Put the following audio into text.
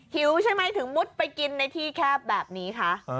หิวใช่ไหมถึงมุดไปกินในที่แคบแบบนี้คะ